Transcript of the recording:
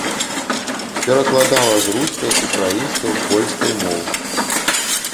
Перакладала з рускай, украінскай, польскай моў.